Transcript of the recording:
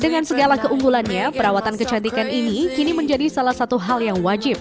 dengan segala keunggulannya perawatan kecantikan ini kini menjadi salah satu hal yang wajib